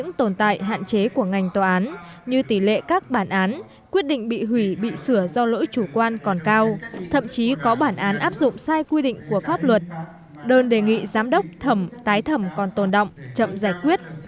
tổng bí thư chủ tịch nước cũng đã chỉ ra những tồn tại hạn chế của ngành tòa án như tỷ lệ các bản án quyết định bị hủy bị sửa do lỗi chủ quan còn cao thậm chí có bản án áp dụng sai quy định của pháp luật đơn đề nghị giám đốc thẩm tái thẩm còn tồn động chậm giải quyết